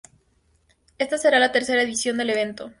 Esta será la tercera edición del evento.